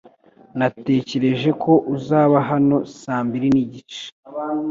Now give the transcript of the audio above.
Natekereje ko uzaba hano saa mbiri nigice .